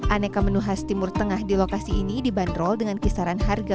aneka menu khas timur tengah di lokasi ini dibanderol dengan kisaran harga